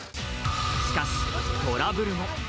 しかし、トラブルも。